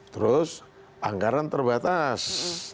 terus anggaran terbatas